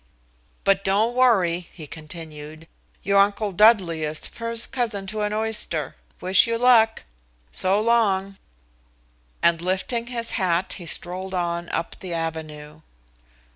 "But don't worry," he continued. "Your Uncle Dudley is first cousin to an oyster. Wish you luck. So long," and lifting his hat he strolled on up the avenue.